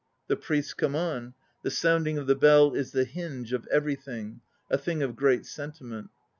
The priests come on. The sounding of the bell is the hinge of everything, a thing of great sentiment.